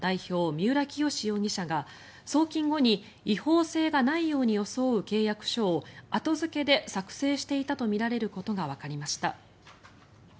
三浦清志容疑者が送金後に違法性がないように装う契約書を後付けで作成していたとみられることがわかりました。